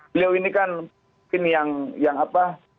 beliau ini kan mungkin yang apa